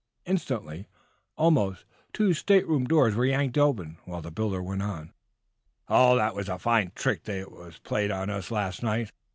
Instantly, almost, two state room doors were yanked open, while the builder went on: "Oh, that was a fine trick that was played on us last night.